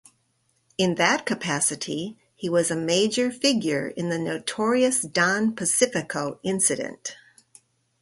In that capacity he was a major figure in the notorious Don Pacifico Incident.